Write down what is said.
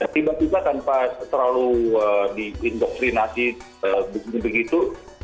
tiba tiba tanpa terlalu diindoktrinasi begini begitu